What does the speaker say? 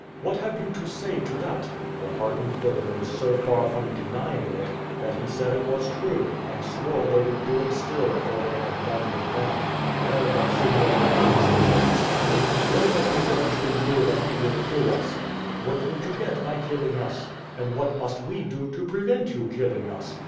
What have you to say to that?" The hardened villain was so far from denying it, that he said it was true, and swore they would do it still before they had done with them. "Well, but Seignior Atkins," says the Spaniard, "what have we done to you that you will kill us? What would you get by killing us? And what must we do to prevent you killing us?